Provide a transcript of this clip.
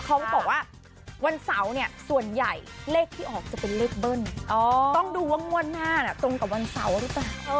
เขาบอกว่าวันเสาร์เนี่ยส่วนใหญ่เลขที่ออกจะเป็นเลขเบิ้ลต้องดูว่างวดหน้าตรงกับวันเสาร์หรือเปล่า